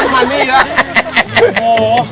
เติลมันี่แล้ว